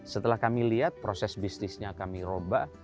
setelah kami lihat proses bisnisnya kami robah